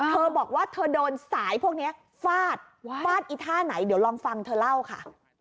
เธอบอกว่าเธอโดนสายพวกนี้ฟาดฟาดอีท่าไหนเดี๋ยวลองฟังเธอเล่าค่ะ